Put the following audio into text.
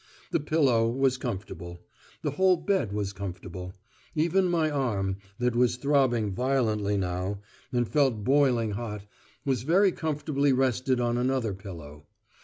The pillow was comfortable; the whole bed was comfortable; even my arm, that was throbbing violently now, and felt boiling hot, was very comfortably rested on another pillow.